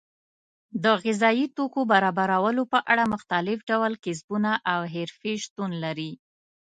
د غذایي توکو برابرولو په اړه مختلف ډول کسبونه او حرفې شتون لري.